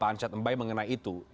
pak anshat mbae mengenai itu